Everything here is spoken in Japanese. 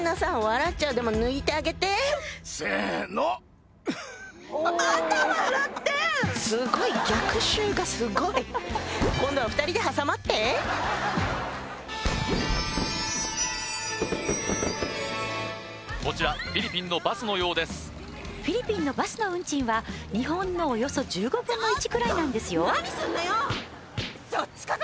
笑っちゃうでも抜いてあげてすごい逆襲がすごい今度は２人で挟まってこちらフィリピンのバスのようですフィリピンのバスの運賃は日本のおよそ１５分の１くらいなんですよ